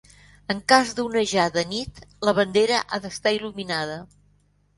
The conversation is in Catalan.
En cas d'onejar de nit, la bandera ha d'estar il·luminada.